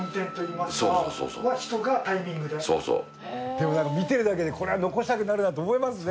でもなんか見てるだけでこれは残したくなるなって思いますね。